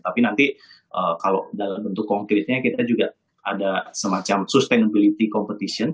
tapi nanti kalau dalam bentuk konkretnya kita juga ada semacam sustainability competition